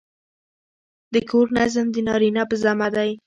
د کور نظم د نارینه په ذمه دی.